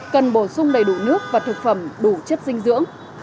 cần bổ sung đầy đủ nước và thực phẩm đủ chất dinh dưỡng